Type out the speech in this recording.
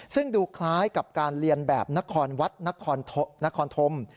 ซึ่งดูคล้ายกับการเรียนแบบนครวัดนครธม